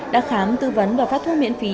đã khám tư vấn và phát thu miễn phí